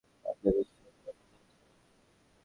আপনার নিষ্ঠুরতা পছন্দ হয়েছে আমার।